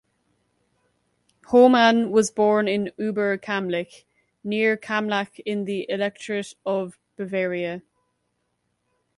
Homann was born in Oberkammlach near Kammlach in the Electorate of Bavaria.